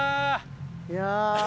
いや。